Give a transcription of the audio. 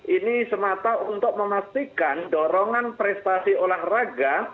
ini semata untuk memastikan dorongan prestasi olahraga